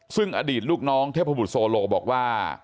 ซึ่งอดีตลูกน้องเทพบุตรโซโลบอกว่า